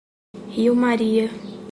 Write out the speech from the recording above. Rio Maria